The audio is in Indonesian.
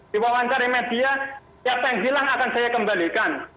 di wawancara media siapa yang hilang akan saya kembalikan